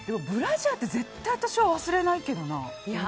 ブラジャーって絶対に私は忘れないけどな。